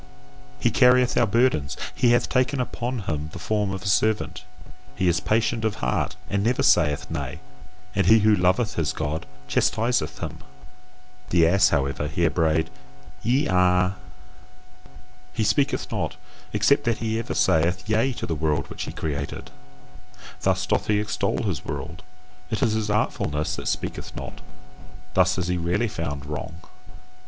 He carrieth our burdens, he hath taken upon him the form of a servant, he is patient of heart and never saith Nay; and he who loveth his God chastiseth him. The ass, however, here brayed YE A. He speaketh not: except that he ever saith Yea to the world which he created: thus doth he extol his world. It is his artfulness that speaketh not: thus is he rarely found wrong.